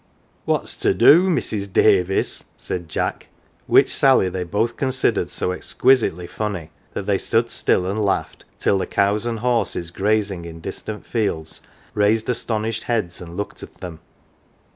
" What's to do, Mrs. Davis ?"" said Jack, which sally they both considered so exquisitely funny that they stood still and laughed till the cows and horses grazing in distant fields raised astonished heads, and looked at them.